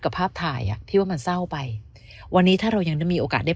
ภาพถ่ายอ่ะที่ว่ามันเศร้าไปวันนี้ถ้าเรายังได้มีโอกาสได้